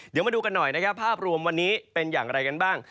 เดี๋ยวมาดูกันหน่อยนะครับภาพรวมวันนี้เป็นอย่างไรกันบ้าง